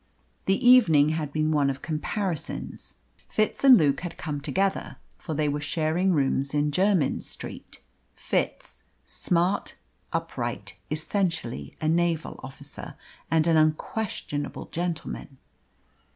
The evening had been one of comparisons. Fitz and Luke had come together, for they were sharing rooms in Jermyn Street. Fitz, smart, upright, essentially a naval officer and an unquestionable gentleman.